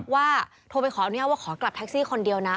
ว่าโทรไปขออนุญาตว่าขอกลับแท็กซี่คนเดียวนะ